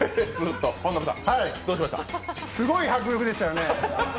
すごい迫力でしたよね。